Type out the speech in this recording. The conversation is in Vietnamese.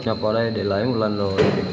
đột nhập vào đây để lấy một lần rồi